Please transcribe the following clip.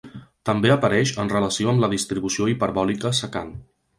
També apareix en relació amb la distribució hiperbòlica secant.